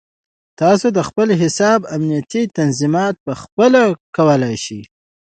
تاسو د خپل حساب امنیتي تنظیمات پخپله کولی شئ.